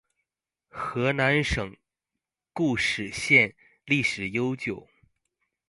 河南省固始县历史悠久